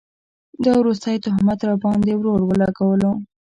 دا وروستی تهمت راباند ې ورور اولګوو